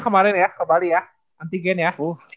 kemarin ya ke bali ya anti gen ya